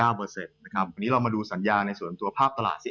วันนี้เรามาดูสัญญาในส่วนตัวภาพตลาดสิ